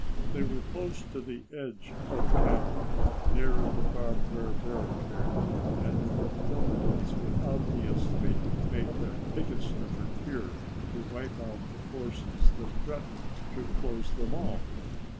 They were close to the edge of town, near the barbed wire barricade, and the nomads would obviously make their biggest effort here to wipe out the forces that threatened to close them off.